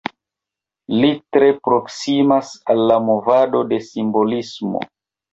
Li tre proksimas al la movado de simbolismo.